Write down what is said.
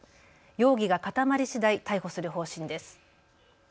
容疑が固まりしだい逮捕する方針です。